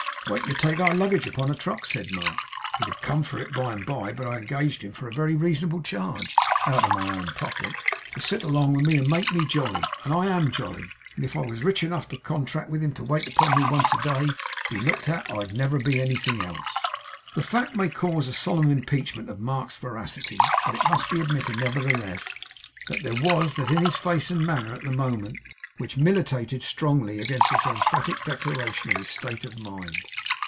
'Waiting to take our luggage off upon a truck,' said Mark. 'He'd have come for it by and bye, but I engaged him for a very reasonable charge (out of my own pocket) to sit along with me and make me jolly; and I am jolly; and if I was rich enough to contract with him to wait upon me once a day, to be looked at, I'd never be anything else.' The fact may cause a solemn impeachment of Mark's veracity, but it must be admitted nevertheless, that there was that in his face and manner at the moment, which militated strongly against this emphatic declaration of his state of mind.